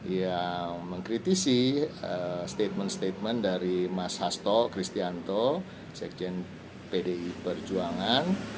yang mengkritisi statement statement dari mas hasto kristianto sekjen pdi perjuangan